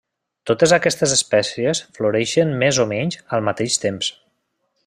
Totes aquestes espècies floreixen més o menys al mateix temps.